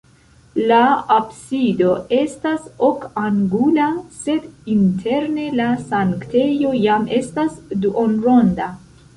La absido estas ok-angula, sed interne la sanktejo jam estas duonronda.